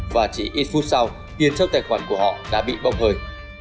và chỉ ít phút sau tiền trong tài khoản của họ đã bị bỏng hơi